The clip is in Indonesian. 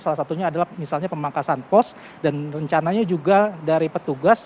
salah satunya adalah misalnya pemangkasan pos dan rencananya juga dari petugas